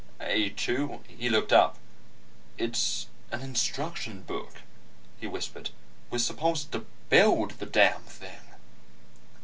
A 2 ...'" He looked up. "It's an instruction book," he whispered. "We're supposed to build the damn thing."